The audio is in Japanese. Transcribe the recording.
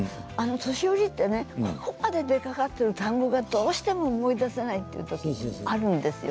年寄りってここまで出かかっている単語がどうしても思い出せないということがあるんですよ。